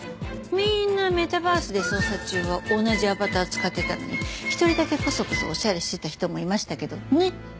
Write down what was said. みんなメタバースで捜査中は同じアバター使ってたのに１人だけコソコソおしゃれしてた人もいましたけどね。